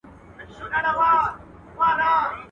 لېوه هغه مېږه خوري چي د رمې څخه جلا وي.